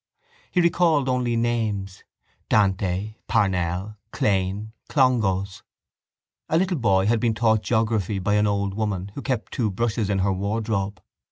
He recalled only names. Dante, Parnell, Clane, Clongowes. A little boy had been taught geography by an old woman who kept two brushes in her wardrobe.